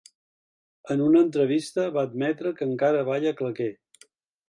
En una entrevista, va admetre que encara balla claqué.